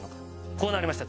こうなりました。